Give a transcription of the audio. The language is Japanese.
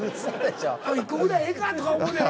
１個ぐらいええかとか思うねやろ？